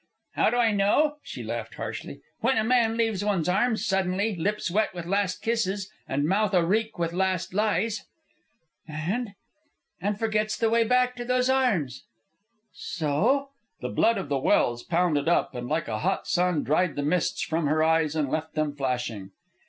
"How do I know?" She laughed harshly. "When a man leaves one's arms suddenly, lips wet with last kisses and mouth areek with last lies!" "And ?" "Forgets the way back to those arms." "So?" The blood of the Welse pounded up, and like a hot sun dried the mists from her eyes and left them flashing.